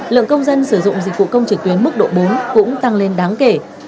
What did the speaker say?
lượng công dân sử dụng dịch vụ công trực tuyến mức độ bốn cũng tăng lên đáng kể